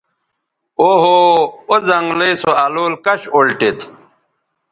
او ہو او زنگلئ سو الول کش اُلٹید